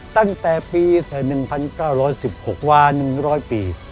ตั้งแต่ปี๑๙๑๖วา๑๐๐ปี